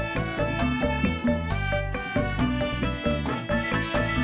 kamu gak dikasih hongkos